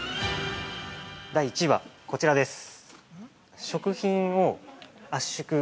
第１位は、こちらです。